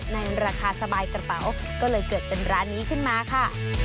ในราคาสบายกระเป๋าก็เลยเกิดเป็นร้านนี้ขึ้นมาค่ะ